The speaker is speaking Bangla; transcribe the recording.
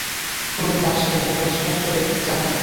কোনোদিন রাগ সে করে নাই, ভর্ৎসনার চোখে চাহে নাই।